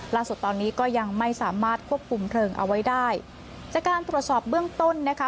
ล่าสุดตอนนี้ก็ยังไม่สามารถควบคุมเพลิงเอาไว้ได้จากการตรวจสอบเบื้องต้นนะคะ